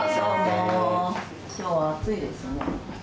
今日は暑いですね。